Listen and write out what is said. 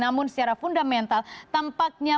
namun secara fundamental tampaknya